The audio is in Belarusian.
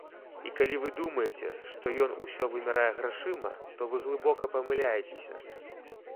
І калі вы думаеце, што ён усё вымярае грашыма, то вы глыбока памыляецеся.